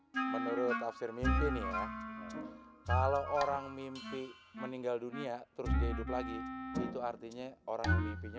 menurut tafsir mimpi nih ya kalau orang mimpi meninggal dunia terus dia hidup lagi itu artinya orang mimpinya